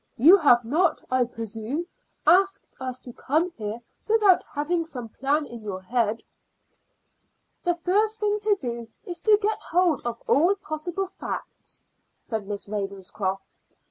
"You have not, I presume, asked us to come here without having some plan in your head." "The first thing to do is to get hold of all possible facts," said Miss Ravenscroft.